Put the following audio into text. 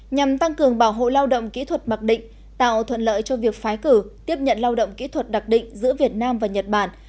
nhằm tăng cường bảo hộ lao động kỹ thuật mặc định tạo thuận lợi cho việc phái cử tiếp nhận lao động kỹ thuật đặc định giữa việt nam và nhật bản